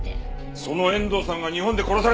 その遠藤さんが日本で殺された！